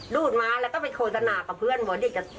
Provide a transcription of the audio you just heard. ดูดมาแล้วก็ไปโฆษณากับเพื่อนบอกเด็ก